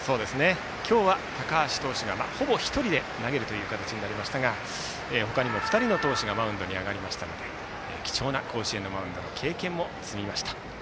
今日は高橋投手がほぼ１人で投げきる形になりましたが他にも２人の投手がマウンドに上がりましたので貴重な甲子園のマウンドの経験も積みました。